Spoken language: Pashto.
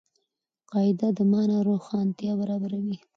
قاعده د مانا روښانتیا برابروي.